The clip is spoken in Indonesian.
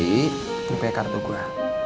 ini ini punya kartu gua